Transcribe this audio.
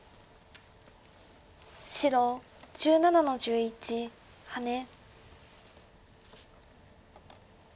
白１７の十一ハネ。